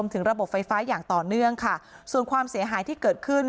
ถึงระบบไฟฟ้าอย่างต่อเนื่องค่ะส่วนความเสียหายที่เกิดขึ้น